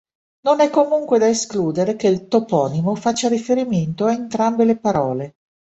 Non è comunque da escludere che il toponimo faccia riferimento a entrambe le parole.